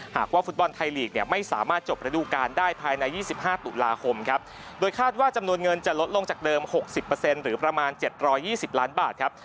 หากว่าฟุตบอลไทยลีกเนี่ยไม่สามารถจบระดูการได้ภายใน๒๕ตุลาคมครับโดยคาดว่าจำนวนเงินจะลดลงจากเดิม๖๐หรือประมาณ๗๒๐ล้านบาทครับ